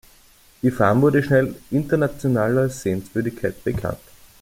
Die Farm wurde schnell international als Sehenswürdigkeit bekannt.